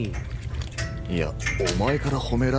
いやお前から褒められても別に。